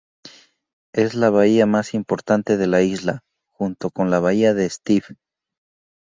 Es la bahía más importante de la isla junto con la bahía de Stiff.